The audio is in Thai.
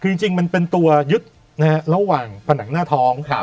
คือจริงมันเป็นตัวยึดนะฮะระหว่างผนังหน้าท้อง